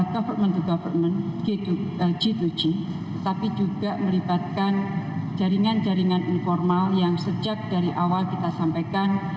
government to government g dua g tapi juga melibatkan jaringan jaringan informal yang sejak dari awal kita sampaikan